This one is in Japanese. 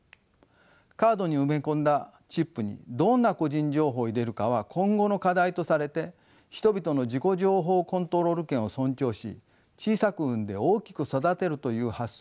カードに埋め込んだチップにどんな個人情報を入れるかは今後の課題とされて人々の自己情報コントロール権を尊重し小さく生んで大きく育てるという発想で立ち上げました。